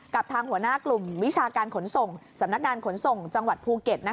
กับทางหัวหน้ากลุ่มวิชาการขนส่งสำนักงานขนส่งจังหวัดภูเก็ต